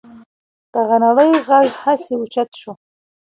د غنړې غږ هسې اوچت شو.